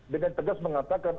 dengan tegas mengatakan